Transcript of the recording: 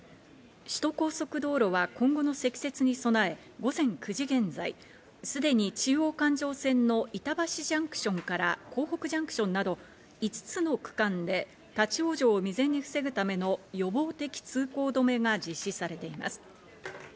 首都高速道路は今後の積雪に備え、午前９時現在、すでに中央環状線の板橋ジャンクションから江北ジャンクションなど５つの区間で立ち往生を未然に防ぐための予防的通行止めが実施されています。